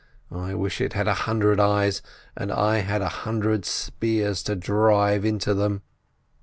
I wish it had a hundred eyes, and I had a hundred spears to drive into them!"